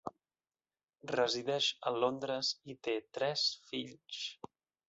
Resideix a Londres i té tres fills.